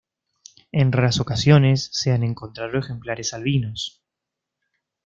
En raras ocasiones, se han encontrado ejemplares albinos.